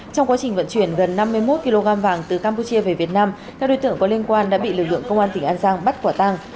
trong quá trình vận chuyển gần năm mươi một kg vàng từ campuchia về việt nam các đối tượng có liên quan đã bị lực lượng công an tỉnh an giang bắt quả tăng